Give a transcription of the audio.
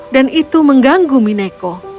dan itu mengganggu mineko